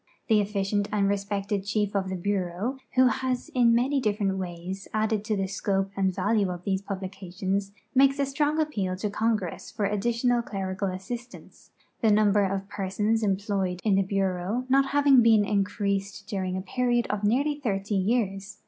The efficient and respected Chief of the Bureau, who has in so many different ways added to the scope and value of these publications, makes a strong appeal to Congress for addi tional clerical assistance, the number of persons employed in the Bureau not luiving been increased during a period of nearly thirty }'ears.